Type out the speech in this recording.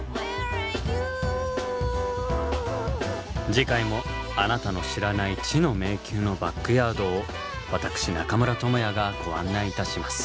次回もあなたの知らない「知の迷宮」のバックヤードを私中村倫也がご案内いたします。